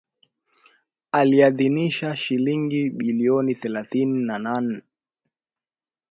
aliidhinisha shilingi bilioni thelathini na nne